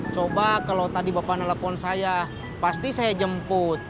coba kalau tadi bapak nelfon saya pasti saya jemput